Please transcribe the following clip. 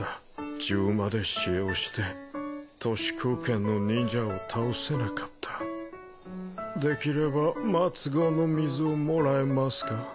銃まで使用して徒手空拳の忍者を倒せなかったできれば末期の水をもらえますか？